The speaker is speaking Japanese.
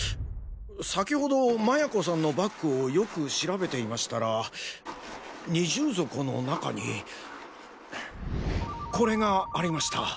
先ほど麻也子さんのバッグをよく調べていましたら二重底の中にこれがありました。